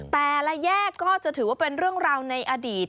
แต่ละแยกก็จะถือว่าเป็นเรื่องราวในอดีต